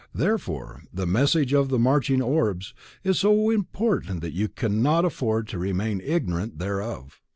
Therefore, the message of the marching orbs is so important that you cannot afford to remain ignorant thereof.